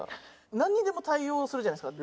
なんにでも対応するじゃないですか。